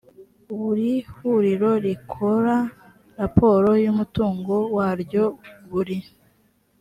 buri huriro rikora raporo y umutungo waryo buri